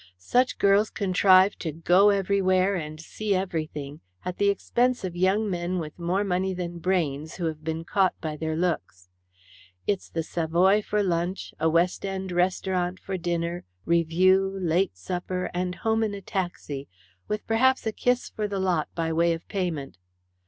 "Such girls contrive to go everywhere and see everything at the expense of young men with more money than brains, who have been caught by their looks. It's the Savoy for lunch, a West End restaurant for dinner, revue, late supper, and home in a taxi with perhaps, a kiss for the lot by way of payment.